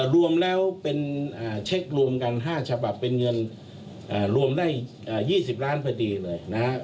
รวมแล้วเป็นเช็ครวมกัน๕ฉบับเป็นเงินรวมได้๒๐ล้านพอดีเลยนะครับ